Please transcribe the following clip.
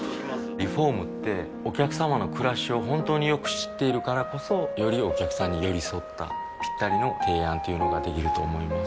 リフォームってお客様の暮らしを本当によく知っているからこそよりお客様に寄り添ったぴったりの提案というのができると思います